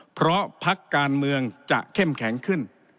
เพราะพักการเมืองจะเข้มแข็งขึ้น